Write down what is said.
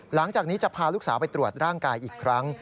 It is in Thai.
หลังจากนี้จะพาลูกสาวไปตรวจร่างกายอีกครั้ง